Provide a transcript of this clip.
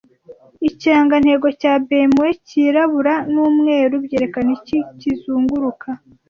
Ikirangantego cya BMW cyirabura n'umweru byerekana iki kizunguruka